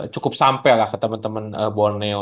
cukup sampai lah ke temen temen borneo